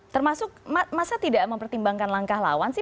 termasuk masa tidak mempertimbangkan langkah lawan sih